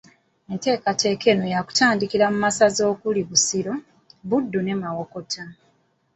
Enteekateeka eno yakutandikira mu masaza okuli Busiro, Buddu ne Mawokota